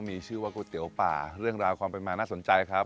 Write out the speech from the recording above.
มีชื่อว่าก๋วยเตี๋ยวป่าเรื่องราวความเป็นมาน่าสนใจครับ